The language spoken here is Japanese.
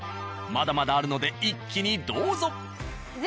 まだまだあるので一気にどうぞ。